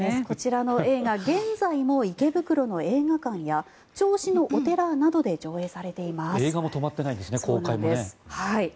こちら現在も池袋の映画館や銚子のお寺などで上映されています。